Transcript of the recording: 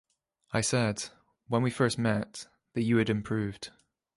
I said, when we first met, that you had improved.